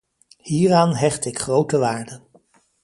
Hieraan hecht ik grote waarde.